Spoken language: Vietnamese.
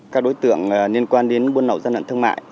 các đối tượng liên quan đến buôn nậu gian lận thương mại